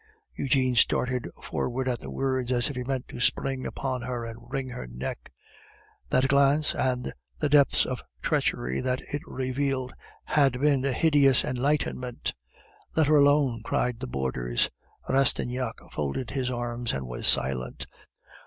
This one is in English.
Eugene started forward at the words, as if he meant to spring upon her and wring her neck. That glance, and the depths of treachery that it revealed, had been a hideous enlightenment. "Let her alone!" cried the boarders. Rastignac folded his arms and was silent.